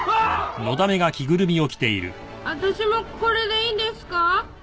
わたしもこれでいいんですか？